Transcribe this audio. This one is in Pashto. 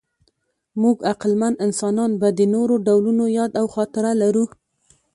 موږ عقلمن انسانان به د نورو ډولونو یاد او خاطره لرو.